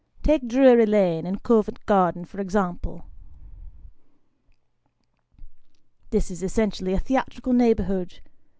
Take Drury Lane and Covent Garden for example. This is essentially a theatrical neighbourhood.